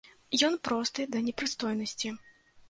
Ён просты да непрыстойнасці.